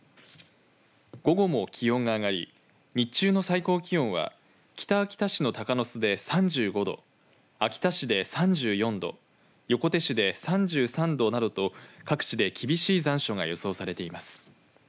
午後も気温が上がり日中の最高気温は北秋田市の鷹巣で３５度秋田市で３４度横手市で３３度などと各地で厳しい残暑が予想されています。